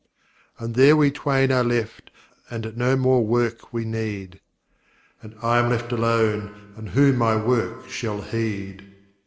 And there we twain are left, and no more work we need: "And I am left alone, and who my work shall heed?"